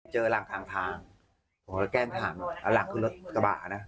เจอหลังทางแก้มถามหลังขึ้นรถกระบะนะ